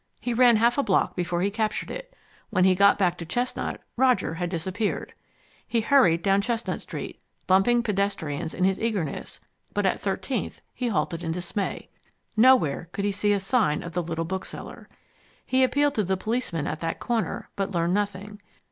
He ran half a block before he recaptured it. When he got back to Chestnut, Roger had disappeared. He hurried down Chestnut Street, bumping pedestrians in his eagerness, but at Thirteenth he halted in dismay. Nowhere could he see a sign of the little bookseller. He appealed to the policeman at that corner, but learned nothing.